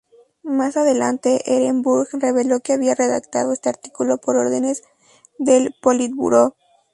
Más adelante Ehrenburg reveló que había redactado este artículo por órdenes del Politburó.